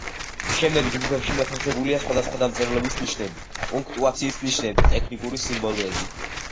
შემდეგ ჯგუფებში მოთავსებულია სხვადასხვა დამწერლობის ნიშნები, პუნქტუაციის ნიშნები და ტექნიკური სიმბოლოები.